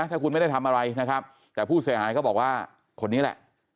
ถ้าคุณไม่ได้ทำอะไรนะครับแต่ผู้เสียหายเขาบอกว่าคนนี้แหละ